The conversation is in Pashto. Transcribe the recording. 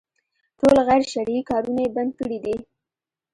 ټول غير شرعي کارونه يې بند کړي دي.